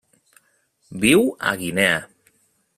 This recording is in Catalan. Viu a Guinea.